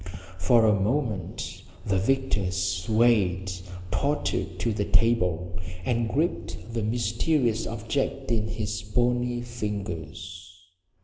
For a moment the victor swayed, tottered to the table, and gripped the mysterious object in its bony fingers.